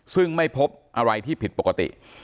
ซึ่งไม่พบอะไรที่ผิดปกติ